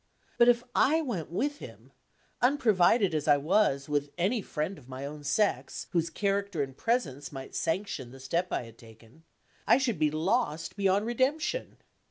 But if I went with him unprovided as I was with any friend of my own sex, whose character and presence might sanction the step I had taken I should be lost beyond redemption.